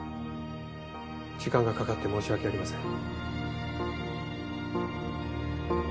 時間がかかって申し訳ありません。